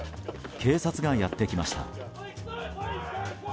警察がやってきました。